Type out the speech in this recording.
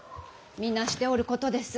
皆しておることです。